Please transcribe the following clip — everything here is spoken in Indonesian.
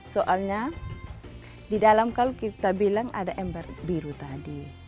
soalnya di dalam kalau kita bilang ada ember biru tadi